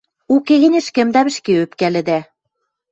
Уке гӹнь ӹшкӹмдӓм ӹшке ӧпкӓлӹдӓ.